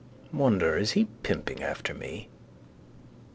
Wonder is he pimping after me?